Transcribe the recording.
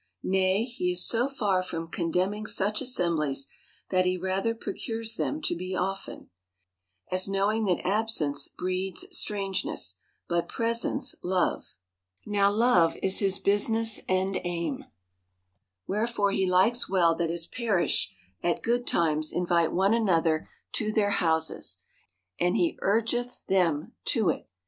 Nay, he is so far from condemning such assemblies, that he rather procures them to be often; as knowing that absence breeds strangeness, but presence, love. Now love is his busi I THE COUNTRY PARSON. 81 ness and aim. Wherefore he likes well that his parish at good times invite one another to their houses ; and he urgeth them to it.